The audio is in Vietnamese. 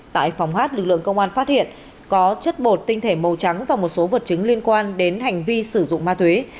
tại phòng hát lực lượng công an phát hiện có chất bột tinh thể màu trắng và một số vật chứng liên quan đến hành vi sử dụng ma túy